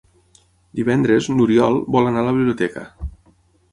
Divendres n'Oriol vol anar a la biblioteca.